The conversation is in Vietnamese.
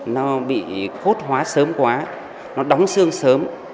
nó bị cốt hóa sớm quá nó đóng xương sớm